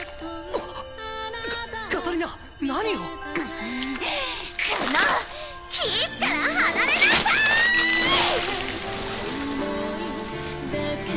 このキースから離れなさい！